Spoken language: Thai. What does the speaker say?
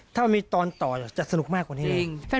ถ้ามีตอนต่อจะสนุกมากกว่านี้